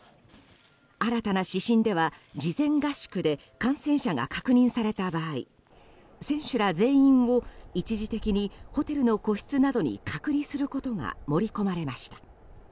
新たな指針では、事前合宿で感染者が確認された場合選手ら全員を一時的にホテルの個室などに隔離することが盛り込まれました。